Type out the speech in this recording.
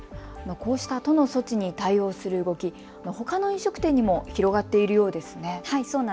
こうした都の措置に対応する動きほかの飲食店にも広がっているようですね。